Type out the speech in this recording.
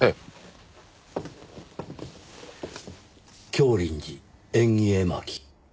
『教林寺縁起絵巻』。